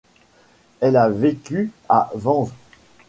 Elle a vécu à Vanves.